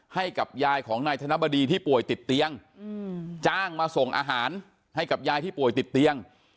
ให้กับยายของนายธนบดีที่ป่วยติดเตียงจ้างมาส่งอาหารให้กับยายที่ป่วยติดเตียง